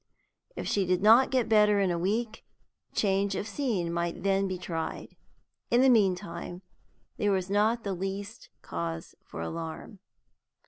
If she did not get better in a week, change of scene might then be tried. In the meantime, there was not the least cause for alarm.